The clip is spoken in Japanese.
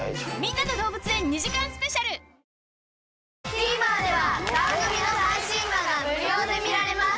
ＴＶｅｒでは番組の最新話が無料で見られます。